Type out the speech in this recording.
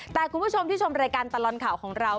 แต่คุณผู้ชมที่ชมรายการตลอดข่าวของเรา